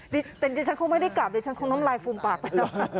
ดิฉันคงไม่ได้กลับแต่ฉันคงต้องไลฟ์ฟูมปากไปนะ